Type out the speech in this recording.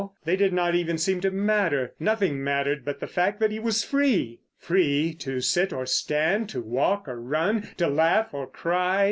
They did not even seem to matter—nothing mattered but the fact that he was free! Free to sit or stand, to walk or run, to laugh or to cry.